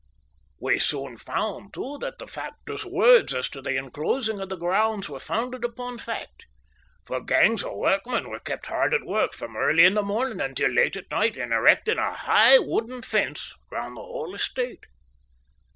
We soon found, too, that the factor's words as to the inclosing of the grounds were founded upon fact, for gangs of workmen were kept hard at work from early in the morning until late at night in erecting a high, wooden fence round the whole estate.